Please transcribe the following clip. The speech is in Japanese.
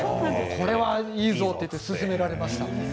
これはいいぞとすすめられました。